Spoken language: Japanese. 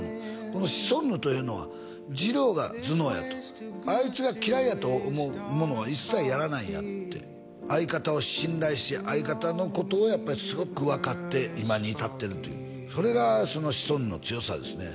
このシソンヌというのはじろうが頭脳やとあいつが嫌いやと思うものは一切やらないんやって相方を信頼し相方のことをやっぱりすごく分かって今に至ってるというそれがシソンヌの強さですね